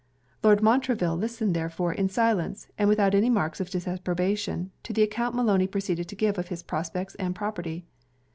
Lord Montreville listened therefore in silence, and without any marks of disapprobation, to the account Maloney proceeded to give of his prospects and property.